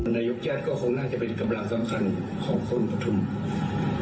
นายกแจ๊ดก็คงน่าจะเป็นกำลังสำคัญของคนประธุมธานี